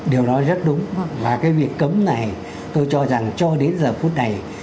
điều đó rất đúng và cái việc cấm này tôi cho rằng cho đến giờ phút này